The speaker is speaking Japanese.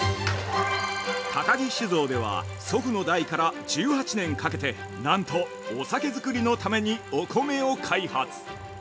◆高木酒造では祖父の代から１８年かけて、なんと、お酒造りのためにお米を開発。